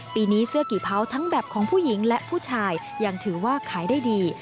ปีนี้เสื้อกี่เผาทั้งแบบของผู้หญิงและผู้ชายยังถือว่าขายได้ดี